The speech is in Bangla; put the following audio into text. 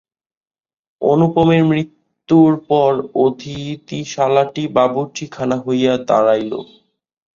অনুপের মৃত্যূর পর অতিথিশালাটি বাবুর্চিখানা হইয়া দাঁড়াইল।